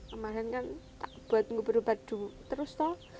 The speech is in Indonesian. kemarin kan buat berobat terus toh